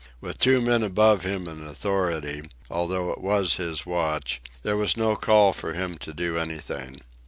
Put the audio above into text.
With two men above him in authority, although it was his watch, there was no call for him to do anything.